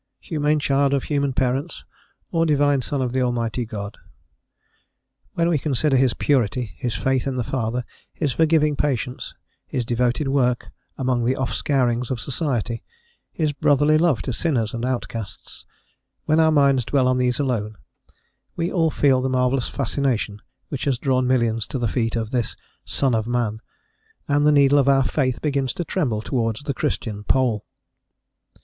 Humane child of human parents, or divine Son of the Almighty God? When we consider his purity, his faith in the Father, his forgiving patience, his devoted work among the offscourings of society, his brotherly love to sinners and outcasts when our minds dwell on these alone, we all feel the marvellous fascination which has drawn millions to the feet of this "son of man," and the needle of our faith begins to tremble towards the Christian pole.